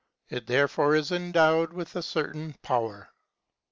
It therefore is endowed with a certain power.